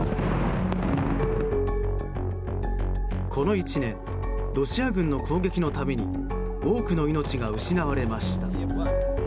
この１年、ロシア軍の攻撃の度に多くの命が失われました。